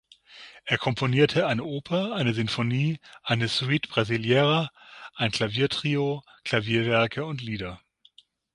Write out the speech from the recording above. Er komponierte eine Oper, eine Sinfonie, eine "Suite brasileira", ein Klaviertrio, Klavierwerke und Lieder.